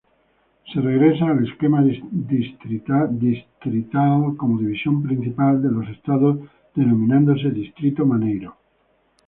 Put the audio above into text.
Se regresa al esquema distrital como división principal de los estados, denominándose Distrito Maneiro.